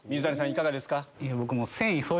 いかがですか？